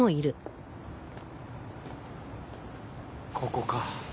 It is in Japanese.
ここか。